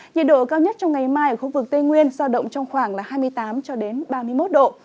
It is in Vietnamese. nhiệt độ cao nhất trong ngày mai ở khu vực tây nguyên giao động trong khoảng là hai mươi tám ba mươi một độ